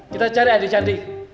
kita cari adik candi